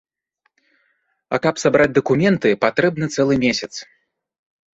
А каб сабраць дакументы, патрэбны цэлы месяц.